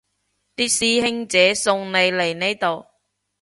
啲師兄姐送你嚟呢度